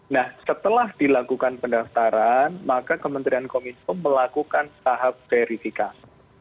nah setelah dilakukan pendaftaran maka kementerian kominfo melakukan tahap verifikasi